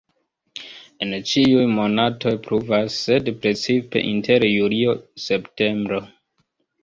En ĉiuj monatoj pluvas, sed precipe inter julio-septembro.